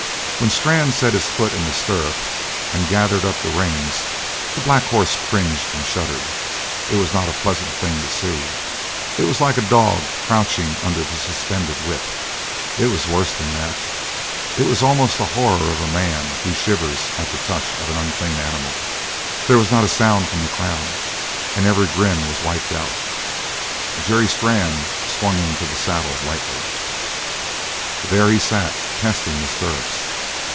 When Strann set his foot in the stirrup and gathered up the reins the black horse cringed and shuddered; it was not a pleasant thing to see; it was like a dog crouching under the suspended whip. It was worse than that; it was almost the horror of a man who shivers at the touch of an unclean animal. There was not a sound from the crowd; and every grin was wiped out. Jerry Strann swung into the saddle lightly. There he sat, testing the stirrups.